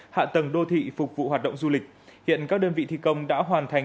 hạ tầng đô thị phục vụ hoạt động du lịch hiện các đơn vị thi công đã hoàn thành